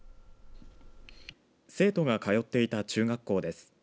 生徒が通っていた中学校です。